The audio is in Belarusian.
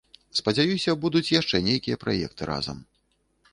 Спадзяюся, будуць яшчэ нейкія праекты разам.